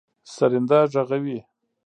سرېنده غږوي.